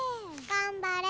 がんばれ！